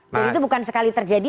dan itu bukan sekali terjadi